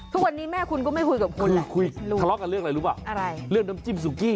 ทุกวันนี้แม่คุณก็ไม่คุยกับคุณทะเลาะกันเรื่องอะไรรู้ป่ะอะไรเรื่องน้ำจิ้มซุกี้